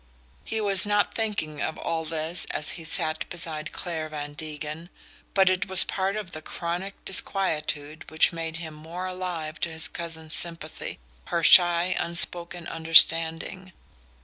He was not thinking of all this as he sat beside Clare Van Degen; but it was part of the chronic disquietude which made him more alive to his cousin's sympathy, her shy unspoken understanding.